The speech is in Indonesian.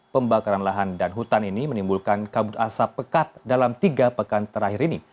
pembakaran lahan dan hutan ini menimbulkan kabut asap pekat dalam tiga pekan terakhir ini